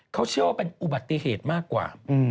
เขาเชื่อว่าเป็นอุบัติเหตุมากกว่า